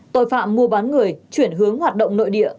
tội phạm mua bán người chuyển hướng hoạt động nội địa